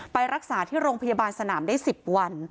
ไปรักษาที่โรงพยาบาลสนามได้๑๐วัน